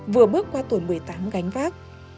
vừa bước qua tuổi một mươi tám gánh vác